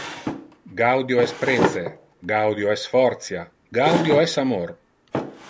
Gaudio es prece, gaudio es fortia, gaudio es amor.